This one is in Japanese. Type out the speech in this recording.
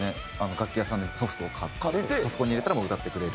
楽器屋さんでソフトを買ってパソコンに入れたらもう歌ってくれる。